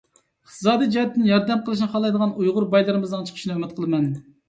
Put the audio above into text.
ئىقتىسادىي جەھەتتىن ياردەم قىلىشنى خالايدىغان ئۇيغۇر بايلىرىمىزنىڭ چىقىشىنى ئۈمىد قىلىمەن.